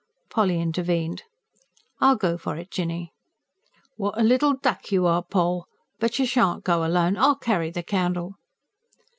Polly intervened. "I'll go for it, Jinny." "What a little duck you are, Poll! But you shan't go alone. I'll carry the candle."